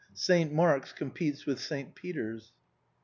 Saint Mark's competes with Saint Peter's.